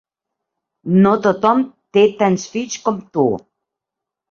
No tothom té tants fills com tu.